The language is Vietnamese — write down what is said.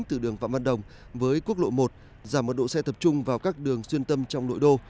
từ đường phạm văn đồng với quốc lộ một giảm một độ xe tập trung vào các đường xuyên tâm trong nội đô